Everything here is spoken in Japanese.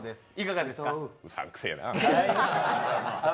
うさんくせえな。